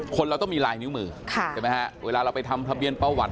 คนเราต้องมีลายนิ้วมือเวลาเราไปทำทะเบียนประวัติ